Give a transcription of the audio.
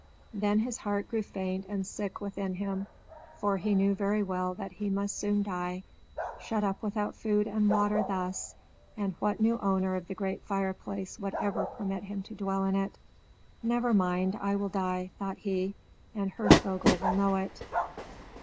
Then his heart grew faint and sick within him, for he knew very well that he must soon die, shut up without food and water thus; and what new owner of the great fireplace would ever permit him to dwell in it? "Never mind; I will die," thought he; "and Hirschvogel will know it."